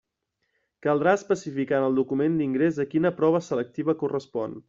Caldrà especificar en el document d'ingrés a quina prova selectiva correspon.